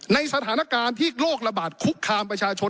ในสถานการณ์ที่โรคระบาดคุกคามประชาชน